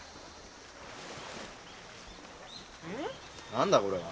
何だこれは？